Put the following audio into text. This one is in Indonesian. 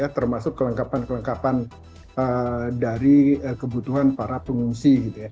termasuk kelengkapan kelengkapan dari kebutuhan para pengungsi